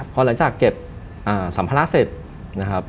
พอหลังจากเก็บสัมภาระเสร็จนะครับ